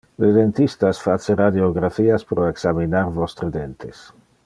Le dentistas face radiographias pro examinar vostre dentes.